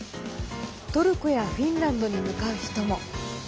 トルコやフィンランドに向かう人も。